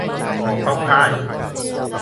เข้าค่าย ?